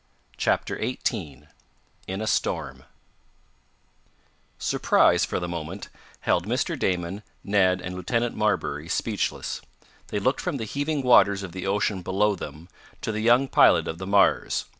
CHAPTER XVIII IN A STORM Surprise, for the moment, held Mr. Damon, Ned and Lieutenant Marbury speechless. They looked from the heaving waters of the ocean below them to the young pilot of the Mars.